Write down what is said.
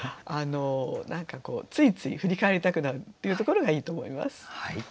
何かついつい振り返りたくなるっていうところがいいと思います。